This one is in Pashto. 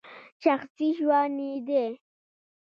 شخصي ژوند یې دی !